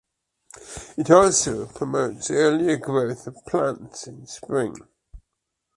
It also promotes earlier growth of plants in Spring.